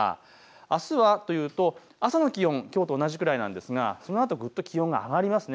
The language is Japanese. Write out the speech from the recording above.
あすはというと朝の気温はきょうと同じくらいなんですがそのあとぐっと気温が上がります。